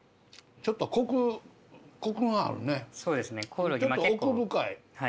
ちょっと奥深い。